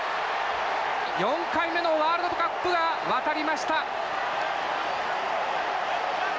４回目のワールドカップが渡りました。